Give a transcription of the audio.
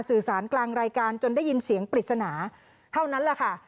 สื่อสารกลางรายการจนได้ยินเสียงปริศนาเท่านั้นแหละค่ะ